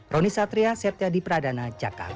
roni satria setia di pradana jakarta